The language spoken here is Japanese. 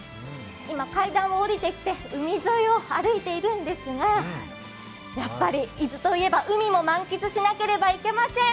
今、階段を降りてきて、海沿いを歩いているんですが伊豆といえば海も満喫しないといけません。